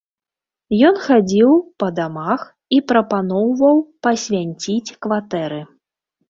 Ён хадзіў па дамах і прапаноўваў пасвянціць кватэры.